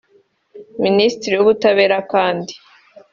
Ministeri y’ubutabera kandi